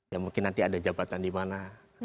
ya mungkin nanti ada jabatan di mana